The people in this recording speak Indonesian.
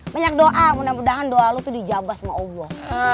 banyak doa mudah mudahan doa lu itu dijabah sama allah